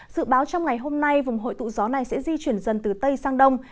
dự báo trong ngày hôm nay vùng hội tụ gió này sẽ di chuyển dần từ tây sang đông